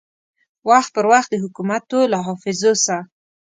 وخت پر وخت د حکومتو له حافظو سه